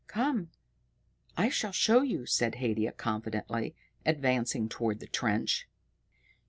"Come, I shall show you," said Haidia confidently, advancing toward the trench.